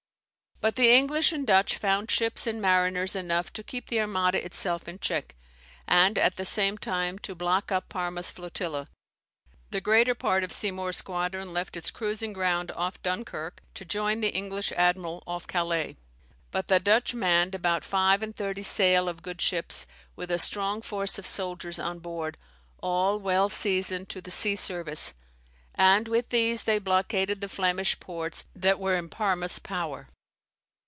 ] But the English and Dutch found ships and mariners enough to keep the Armada itself in check, and at the same time to block up Parma's flotilla. The greater part of Seymour's squadron left its cruising ground off Dunkirk to join the English admiral off Calais; but the Dutch manned about five and thirty sail of good ships, with a strong force of soldiers on board, all well seasoned to the sea service, and with these they blockaded the Flemish ports that were in Parma's power.